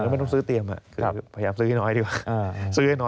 พยายามซื้อให้น้อยดีกว่า